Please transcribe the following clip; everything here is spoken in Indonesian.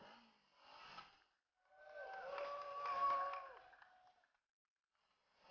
tiga dua satu